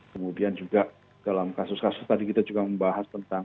kemudian juga dalam kasus kasus tadi kita juga membahas tentang